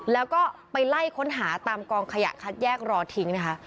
แล้วก็ไปไล่ค้นหาตามกองขยะคัดแยกรอทิ้งนะคะ